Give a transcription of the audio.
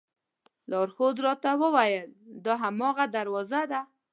لارښود راته وویل دا هماغه دروازه ده.